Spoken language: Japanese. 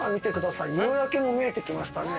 夕焼けも見えてきましたね。